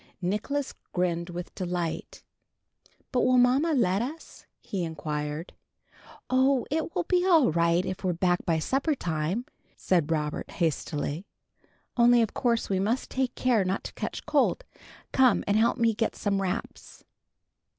Nicholas grinned with delight. "But will mamma let us?" he enquired. "Oh, it will be all right if we're back by supper time," said Robert, hastily. "Only of course we must take care not to catch cold. Come and help me to get some wraps."